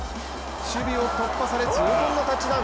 守備を突破され痛恨のタッチダウン。